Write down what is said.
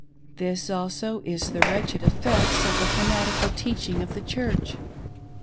This also is the wretched effects of the fanatical teaching of the Church.